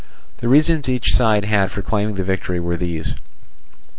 The reasons each side had for claiming the victory were these.